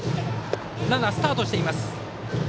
ランナー、スタートしています。